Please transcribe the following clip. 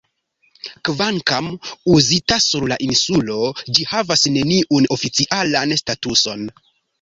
Kvankam uzita sur la insulo, ĝi havas neniun oficialan statuson.